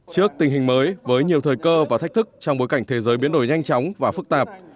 trước tình hình mới với nhiều thời cơ và thách thức trong bối cảnh thế giới biến đổi nhanh chóng và phức tạp